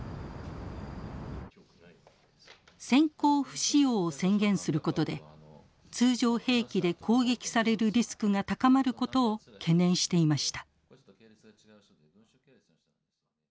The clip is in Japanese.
先行不使用を宣言することで通常兵器で攻撃されるリスクが高まることを懸念していました。